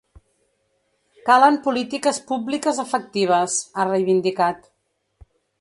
“Calen polítiques públiques efectives”, ha reivindicat.